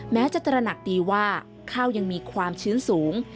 แม้จะตระหนักดีว่าข้าวยังมีความชื้นสูง